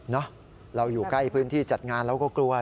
เราอยู่ใกล้พื้นที่จัดงานเราก็กลัว